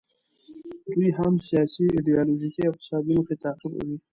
دوی هم سیاسي، ایډیالوژیکي او اقتصادي موخې تعقیبوي.